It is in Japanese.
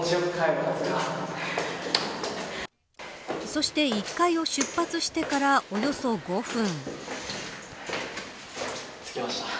そして、１階を出発してからおよそ５分。